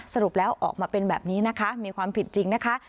สรุปแล้วออกมาเป็นแบบนี้นะคะมีความผิดจริงนะคะ